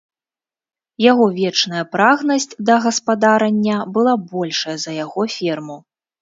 Яго вечная прагнасць да гаспадарання была большая за яго ферму.